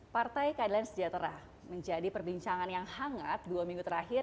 partai keadilan sejahtera menjadi perbincangan yang hangat dua minggu terakhir